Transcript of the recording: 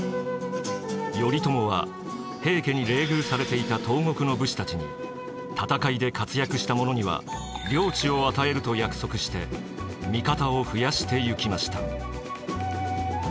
頼朝は平家に冷遇されていた東国の武士たちに戦いで活躍した者には領地を与えると約束して味方を増やしてゆきました。